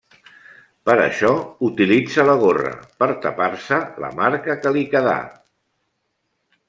Per això, utilitza la gorra per tapar-se la marca que li quedà.